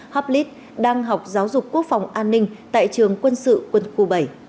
hablis đang học giáo dục quốc phòng an ninh tại trường quân sự quân khu bảy